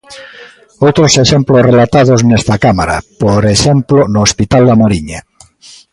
Outros exemplos relatados nesta Cámara, por exemplo no Hospital da Mariña.